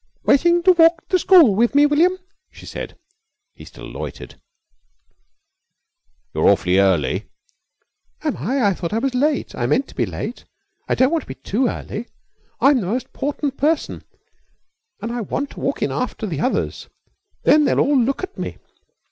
"Waitin' to walk to the school with me, William?" she said. He still loitered. "You're awful early." "Am I? I thought I was late. I meant to be late. I don't want to be too early. I'm the most 'portant person, and I want to walk in after the others, then they'll all look at me."